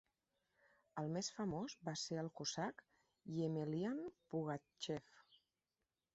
El més famós va ser el cosac Yemelyan Pugatxev.